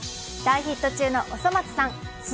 大ヒット中の「おそ松さん」。